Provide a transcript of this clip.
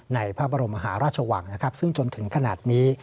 ในพระบรมมหาราชวังนะครับซึ่งจนถึงขนาดนี้